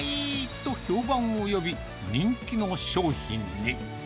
と評判を呼び、人気の商品に。